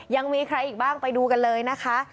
ยังมีใครอีกบ้างไปดูกันเลยนะคะ